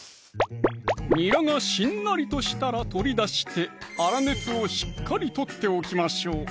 にらがしんなりとしたらとり出して粗熱をしっかりとっておきましょう